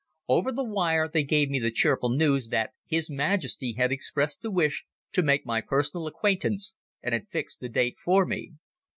Over the wire they gave me the cheerful news that His Majesty had expressed the wish to make my personal acquaintance and had fixed the date for me.